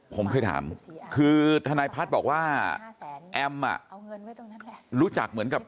ผมเคยถามคือธนายพัฒน์บอกว่าแอมรู้จักเหมือนกับ